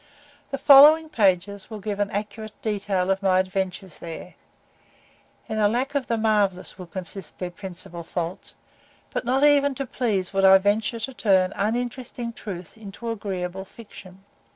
The following pages will give an accurate detail of my adventures there in a lack of the marvellous will consist their principal faults but not even to please would I venture to turn uninteresting truth into agreeable fiction.